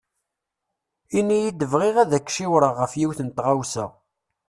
Ini-yi-d bɣiɣ ad ak-ciwreɣ ɣef yiwet n tɣawsa.